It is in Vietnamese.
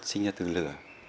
sinh ra từ lửa